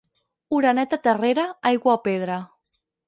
Oreneta terrera, aigua o pedra.